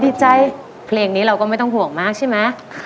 ดีใจเพลงนี้เราก็ไม่ต้องห่วงมากใช่ไหม